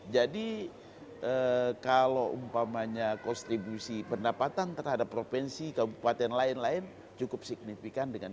jadi kalau umpamanya konstribusi pendapatan terhadap provinsi kabupaten lain lain cukup signifikan dengan ini